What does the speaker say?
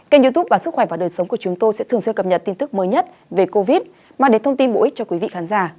kênh youtube bản sức khỏe và đời sống của chúng tôi sẽ thường xuyên cập nhật tin tức mới nhất về covid một mươi chín mang đến thông tin bổ ích cho quý vị khán giả